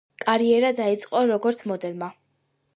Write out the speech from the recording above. კარიერა დაიწყო როგორც მოდელმა.